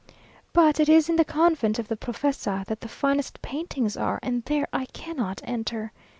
But it is in the convent of the Profesa that the finest paintings are, and there I cannot enter!